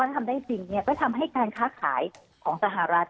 กำลังก็จะทำการการค้าขายของสหรัฐ